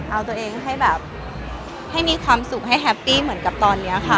เอาตัวเองให้แบบให้มีความสุขให้แฮปปี้เหมือนกับตอนนี้ค่ะ